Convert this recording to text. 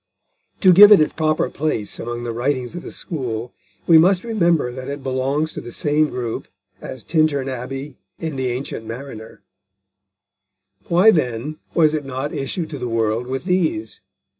To give it its proper place among the writings of the school, we must remember that it belongs to the same group as Tintern Abbey and The Ancient Mariner. Why, then, was it not issued to the world with these?